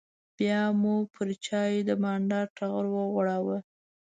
بیا مو پر چایو د بانډار ټغر وغوړاوه.